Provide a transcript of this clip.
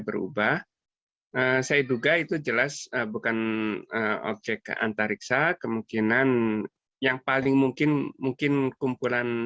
berubah saya duga itu jelas bukan objek antariksa kemungkinan yang paling mungkin mungkin kumpulan